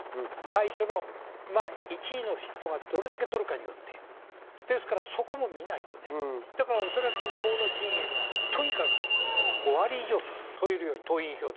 最初の１位の人がどれだけとるかによってですからそこも見ないとおそらく河野陣営はとにかく党員票で５割以上取れるように。